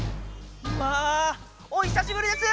「わあおひさしぶりです！」。